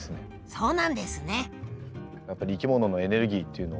そうなんですね。